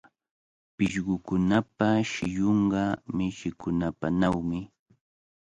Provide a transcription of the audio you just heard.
Pishqukunapa shillunqa mishikunapanawmi.